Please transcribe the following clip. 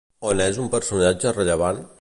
On és un personatge rellevant?